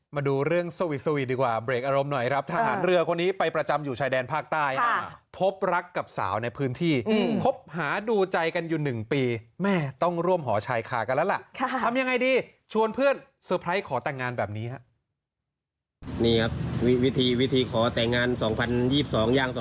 มาดูเรื่องซุวิดีกว่าเบรคอารมณ์หน่อยครับทหารเรือคนนี้ไปประจำอยู่ชายแดนภาคใต้ครับพบรักกับสาวในพื้นที่พบหาดูใจกันอยู่หนึ่งปีแม่ต้องร่วมห่อชายคากันแล้วล่ะค่ะทำยังไงดีชวนเพื่อนเซอร์ไพรส์ขอแต่งงานแบบนี้นี่ครับวิธีวิธีขอแต่งงาน๒๐๒๒ย่าง๒๐๒๓